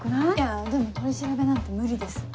でも取り調べなんて無理です。